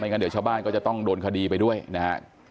งั้นเดี๋ยวชาวบ้านก็จะต้องโดนคดีไปด้วยนะฮะ